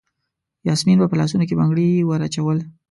یاسمین به په لاسونو کې بنګړي وراچول.